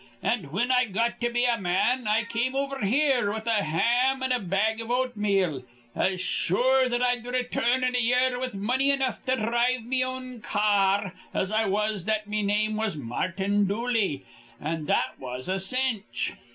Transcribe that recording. An' whin I got to be a man, I come over here with a ham and a bag iv oatmeal, as sure that I'd return in a year with money enough to dhrive me own ca ar as I was that me name was Martin Dooley. An' that was a cinch.